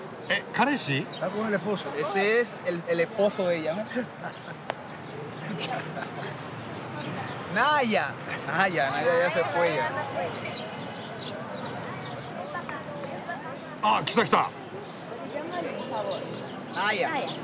彼氏？ああ来た来た。